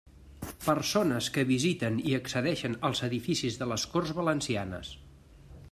Persones que visiten i accedeixen als edificis de les Corts Valencianes.